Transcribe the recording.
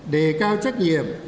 để cao trách nhiệm